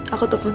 aku mau pulang